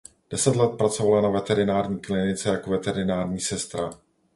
Deset let pracovala na veterinární klinice jako veterinární sestra.